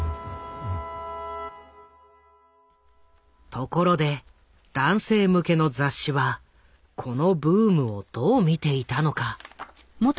ところで男性向けの雑誌はこのブームをどう見ていたのか？